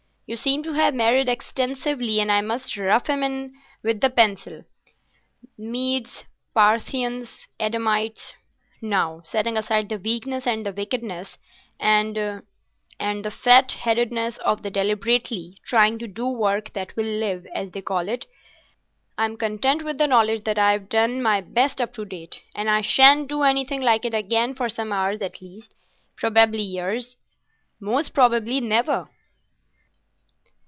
You seem to have married extensively, and I must rough 'em in with the pencil—Medes, Parthians, Edomites.... Now, setting aside the weakness and the wickedness and—and the fat headedness of deliberately trying to do work that will live, as they call it, I'm content with the knowledge that I've done my best up to date, and I shan't do anything like it again for some hours at least—probably years. Most probably never."